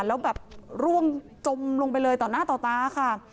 แล้วแบบร่วงจมลงไปเลยต่อหน้าต่อตาค่ะ